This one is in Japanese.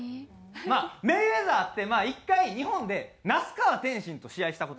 まあメイウェザーって１回日本で那須川天心と試合した事あるんです。